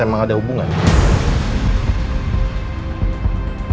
tidak ada hubungan apa apa sama riki